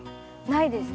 ないです。